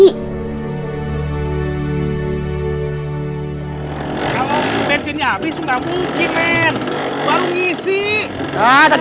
itu hidup ustadz